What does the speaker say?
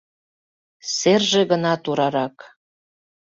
Серже гына турарак.